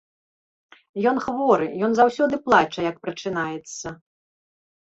Ён хворы, ён заўсёды плача, як прачынаецца.